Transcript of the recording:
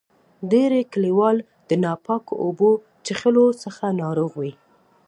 ډیری کلیوال د ناپاکو اوبو چیښلو څخه ناروغ وي.